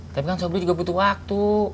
tapi kan suami juga butuh waktu